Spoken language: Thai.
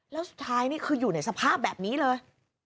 แล้วสุดท้ายนี่คืออยู่ในสภาพแบบนี้เลย